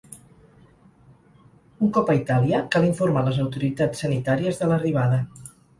Un cop a Itàlia, cal informar les autoritats sanitàries de l’arribada.